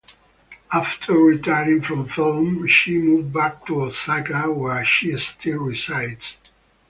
After retiring from film, she moved back to Osaka, where she still resides.